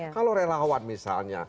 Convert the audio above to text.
kalau relawan misalnya